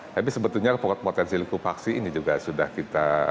tapi sebetulnya potensi likupaksi ini juga sudah kita